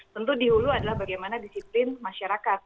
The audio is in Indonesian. tentu dihulu adalah bagaimana disiplin masyarakat